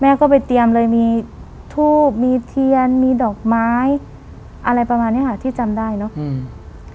ก็ไปเตรียมเลยมีทูบมีเทียนมีดอกไม้อะไรประมาณเนี้ยค่ะที่จำได้เนอะอืม